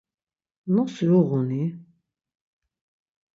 Nosi uğun-i?